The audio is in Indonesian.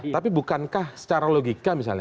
tapi bukankah secara logika misalnya